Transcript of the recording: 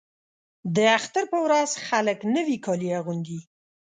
د اختر په ورځ خلک نوي کالي اغوندي.